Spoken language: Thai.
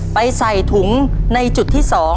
ใส่ถุงในจุดที่๒